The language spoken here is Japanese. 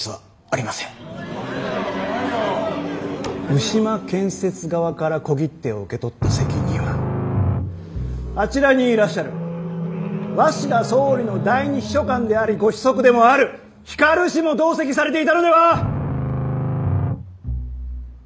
牛間建設側から小切手を受け取った責任はあちらにいらっしゃる鷲田総理の第二秘書官でありご子息でもある光氏も同席されていたのでは？